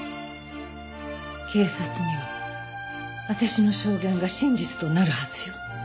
警察には私の証言が真実となるはずよ。